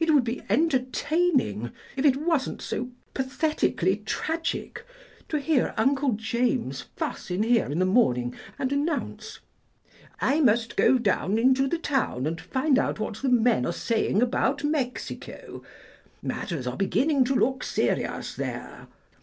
It would be entertaining, if it wasn't so pathetically tragic, to hear Uncle James fuss in here in the morning and announce, 'I must just go down into the town and find out what the men there are saying about Mexico. Matters are beginning to look serious there.